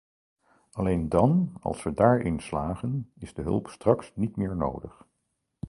Alleen dan, als we daarin slagen, is de hulp straks niet meer nodig.